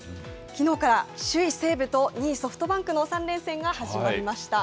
きのうから首位西武と２位ソフトバンクの３連戦が始まりました。